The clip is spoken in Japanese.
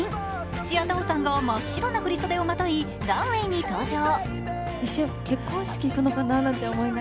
土屋太鳳さんが真っ白な振り袖をまといランウェイに登場。